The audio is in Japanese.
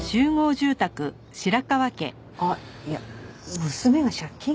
あっいや娘が借金？